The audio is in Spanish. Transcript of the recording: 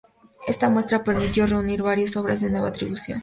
Esta muestra permitió reunir varias obras de nueva atribución.